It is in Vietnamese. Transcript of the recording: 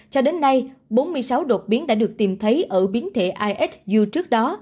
cho đến nay bốn mươi sáu đột biến đã được tìm thấy ở biến thể ihu trước đó